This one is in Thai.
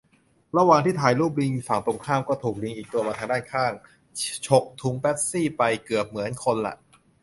ระหว่างที่ถ่ายรูปลิงฝั่งตรงข้าม ก็ถูกลิงอีกตัวมาทางด้านข้าง ฉกถุงเป็ปซี่ไป เกือบเหมือนคนละ